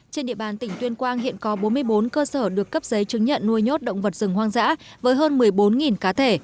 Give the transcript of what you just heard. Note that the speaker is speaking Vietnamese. trên địa bàn tỉnh tuyên quang hiện có bốn mươi bốn cơ sở được cấp giấy chứng nhận nuôi nhốt động vật rừng hoang dã với hơn một mươi bốn cá thể